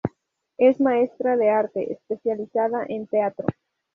Es maestra de arte, especializada en teatro.